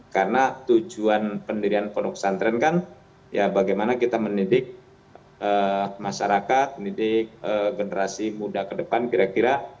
karena tujuan pendirian ponoksantren kan ya bagaimana kita menidik masyarakat menidik generasi muda ke depan kira kira